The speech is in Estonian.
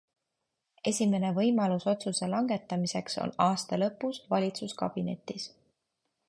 Esimene võimalus otsuse langetamiseks on aasta lõpus valitsuskabinetis.